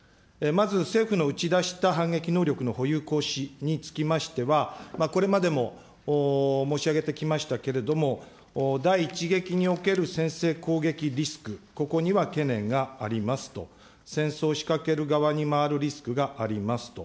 まず政府の打ち出した反撃能力の保有・行使につきましては、これまでも申し上げてきましたけれども、第一撃における先制攻撃リスク、ここには懸念がありますと、戦争仕掛ける側に回るリスクがありますと。